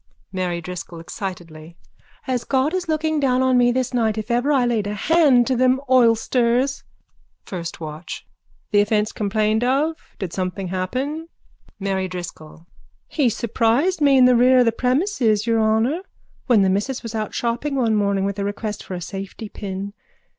MARY DRISCOLL: (Excitedly.) As God is looking down on me this night if ever I laid a hand to them oylsters! FIRST WATCH: The offence complained of? Did something happen? MARY DRISCOLL: He surprised me in the rere of the premises, Your honour, when the missus was out shopping one morning with a request for a safety pin.